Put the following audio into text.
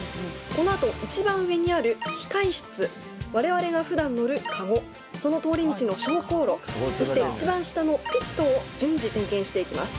このあと一番上にある機械室我々がふだん乗るカゴその通り道の昇降路そして一番下のピットを順次点検していきます。